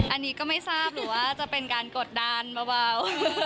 อันนี้ก็ไม่ทราบหรือว่าจะเป็นการกดดันเบา